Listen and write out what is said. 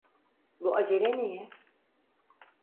Bu acele niye?